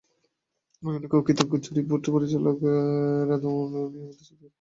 আমি অনেক কৃতজ্ঞ জুরি বোর্ড, পরিচালক রেদওয়ান রনি এবং দর্শকদের কাছে।